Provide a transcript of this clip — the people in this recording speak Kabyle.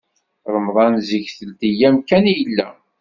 Ṛemḍan zik telt yam kan i yella.